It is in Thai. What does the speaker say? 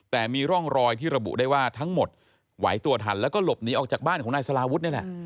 แต่มีร่องรอยที่ระบุได้ว่าทั้งหมดไหวตัวทันแล้วก็หลบหนีออกจากบ้านของนายสลาวุฒินี่แหละ